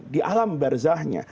di alam barzahnya